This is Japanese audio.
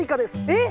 えっ！